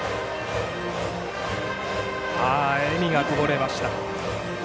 笑みがこぼれました。